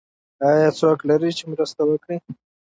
ایا څوک لرئ چې مرسته وکړي؟